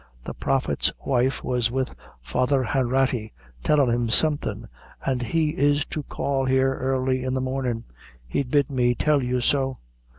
The Prophet's wife was with Father Hanratty, tellin' him something, an' he is to call here early in the mornin'; he bid me tell you so."